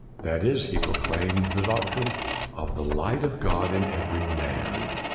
'' That is, he proclaimed the doc trine of the light of God in every man.